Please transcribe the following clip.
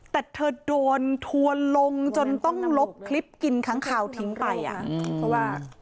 แต่เธอโดนทัวร์ลงจนต้องลบคลิปกินค้างคาวทิ้งไปอ่ะเพราะว่า